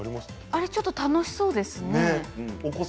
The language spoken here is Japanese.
あれはちょっと楽しそうでしたね。